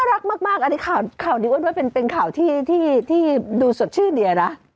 รักมากอันนี้ข่าวนี้อ้วนว่าเป็นข่าวที่ดูสดชื่นเดียนะ